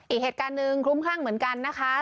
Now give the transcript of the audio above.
อีกเหตุการณ์หนึ่งคลุ้มคลั่งเหมือนกันนะคะ